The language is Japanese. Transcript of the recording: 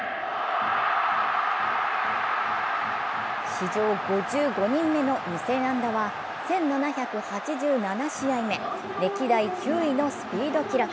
史上５５人目の２０００安打は１７８７試合目、歴代９位のスピード記録。